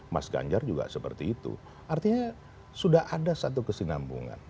mas ganjar juga seperti itu artinya sudah ada satu kesinambungan